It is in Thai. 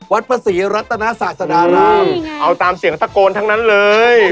วัดพระศรีรัตนศาสดารามเอาตามเสียงตะโกนทั้งนั้นเลย